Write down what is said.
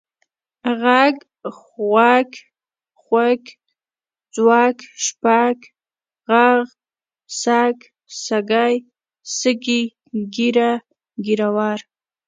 غږ، غوږ، خوَږ، ځوږ، شپږ، ږغ، سږ، سږی، سږي، ږېره، ږېروَر .